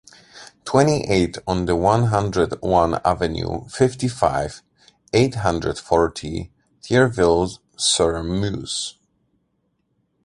twenty-eight on the one hundred one avenue, fifty-five, eight hundred forty, Thierville-sur-Meuse